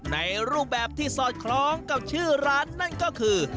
ในรูปแบบที่สอดคล้องกับชื่อร้านนั่นก็คือ